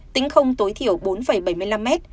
tính không tối thiểu bốn bảy mươi năm m